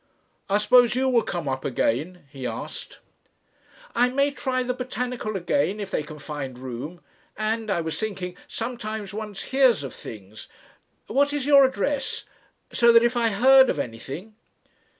"I suppose you will come up again?" he asked. "I may try the botanical again if they can find room. And, I was thinking sometimes one hears of things. What is your address? So that if I heard of anything."